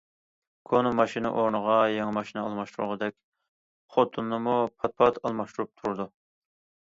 كونا ماشىنا ئورنىغا يېڭى ماشىنا ئالماشتۇرغاندەك خوتۇننىمۇ پات- پات ئالماشتۇرۇپ تۇردى.